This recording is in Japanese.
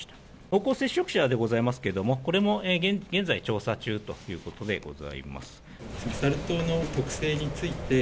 濃厚接触者でございますけれども、これも現在調査中ということでごサル痘の特性について。